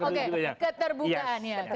oke keterbukaan ya